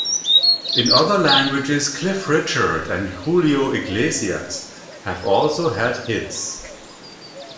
In other languages, Cliff Richard and Julio Iglesias have also had hits.